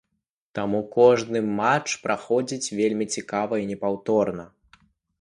Таму кожны матч праходзіць вельмі цікава і непаўторна.